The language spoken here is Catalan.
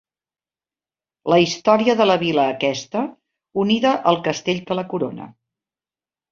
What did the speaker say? La història de la vila aquesta unida al castell que la corona.